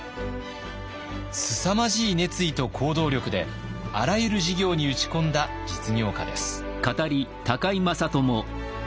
すさまじい熱意と行動力であらゆる事業に打ち込んだ実業家です。